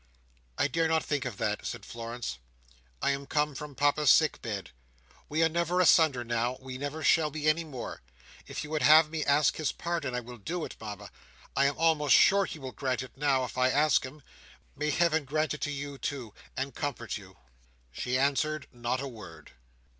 "I dare not think of that," said Florence, "I am come from Papa's sick bed. We are never asunder now; we never shall be" any more. If you would have me ask his pardon, I will do it, Mama. I am almost sure he will grant it now, if I ask him. May Heaven grant it to you, too, and comfort you!" She answered not a word.